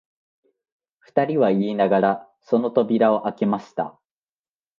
二人は言いながら、その扉をあけました